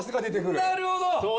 なるほど！